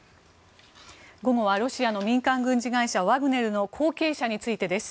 午後はロシアの民間軍事会社ワグネルの後継者についてです。